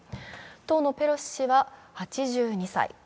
当のペロシ氏は８２歳。